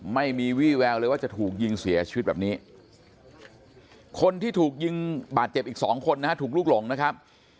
ไม่มีวี่แววเลยว่าจะถูกยิงเสียชีวิตแบบนี้คนที่ถูกยิงบาดเจ็บอีกสองคนนะฮะถูกลูกหลงนะครับ